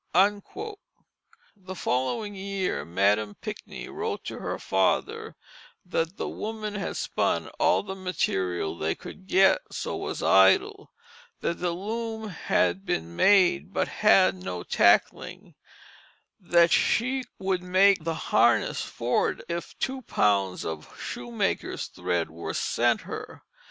The following year Madam Pinckney wrote to her father that the woman had spun all the material they could get, so was idle; that the loom had been made, but had no tackling; that she would make the harness for it, if two pounds of shoemaker's thread were sent her.